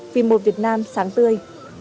vì một việt nam sáng tươi